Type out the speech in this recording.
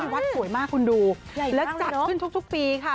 วัดสวยมากคุณดูแล้วจัดขึ้นทุกปีค่ะ